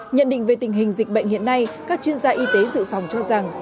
nhận định về tình hình dịch bệnh hiện nay các chuyên gia y tế dự phòng cho rằng